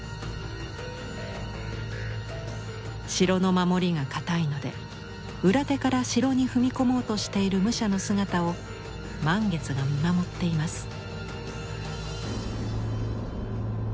城の守りが堅いので裏手から城に踏み込もうとしている武者の姿を満月が見守っています。